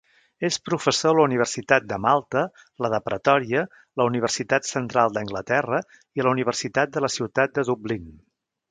És professor a la universitat de Malta, la de Pretòria, la Universitat Central d'Anglaterra i la Universitat de la Ciutat de Dublín.